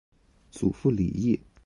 祖父李毅。